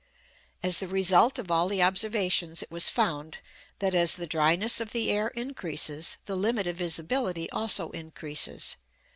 As the result of all the observations it was found that, as the dryness of the air increases, the limit of visibility also increases.